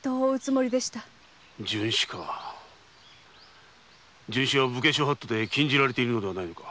殉死か殉死は「武家諸法度」で禁じられているではないか。